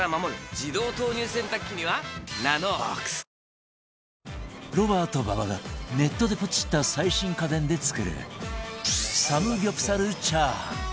自動投入洗濯機には「ＮＡＮＯＸ」ロバート馬場がネットでポチった最新家電で作るサムギョプサルチャーハン